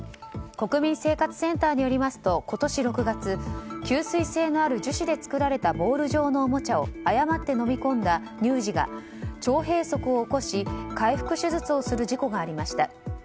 国民生活センターによりますと今年６月吸水性のある樹脂で作られたボール状のおもちゃを誤って飲み込んだ乳児が腸閉塞を起こし開腹手術をする事故がありました。